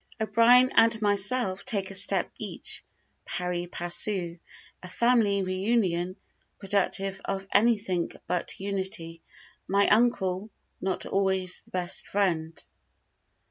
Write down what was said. O'BRIEN AND MYSELF TAKE A STEP EACH, "PARI PASSU" A FAMILY REUNION, PRODUCTIVE OF ANYTHING BUT UNITY MY UNCLE, NOT ALWAYS THE BEST FRIEND.